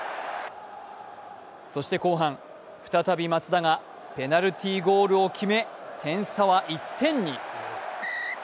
そして後半、再び松田がペナルティーゴールを決め点差は１点に。